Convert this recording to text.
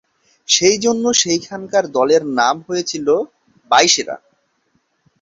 সেই জন্য সেখানকার দলের নাম হয়েছিল 'বাইশেরা'।